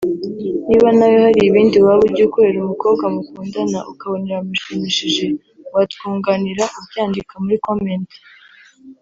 Niba nawe hari ibindi waba ujya ukorera umukobwa mukundana ukabona biramushimishije watwunganira ubyandika muri comment